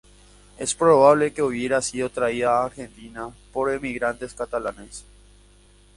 Es probable que hubiera sido traída a Argentina por emigrantes catalanes.